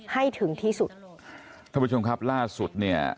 ให้ถึงที่สุด